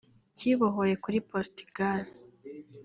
kibohoye kuri Portugal